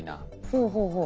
ほうほうほう。